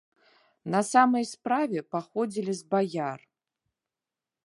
На самай справе паходзілі з баяр.